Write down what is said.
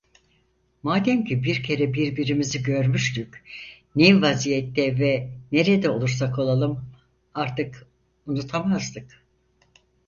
Mademki bir kere birbirimizi görmüştük, ne vaziyette ve nerede olursak olalım, artık unutamazdık.